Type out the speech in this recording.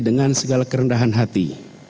dengan segala kerendahan hati